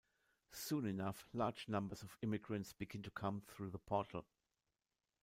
Soon enough, large numbers of immigrants begin to come through the portal.